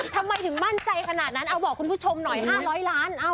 ทำไมถึงมั่นใจขนาดนั้นเอาบอกคุณผู้ชมหน่อย๕๐๐ล้าน